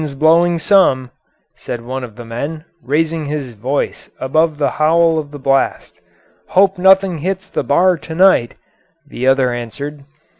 ] "Wind's blowing some," said one of the men, raising his voice above the howl of the blast. "Hope nothing hits the bar to night," the other answered.